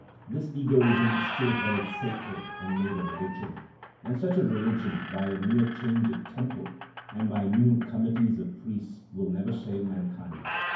This egoism is still held sacred, and made a religion; and such a religion, by a mere change of temple, and by new committees of priests, will never save mankind.